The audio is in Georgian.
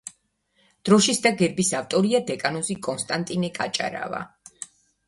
დროშის და გერბის ავტორია დეკანოზი კონსტანტინე კაჭარავა.